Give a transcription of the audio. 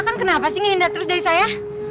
kang kenapa sih ngindah terus dari saya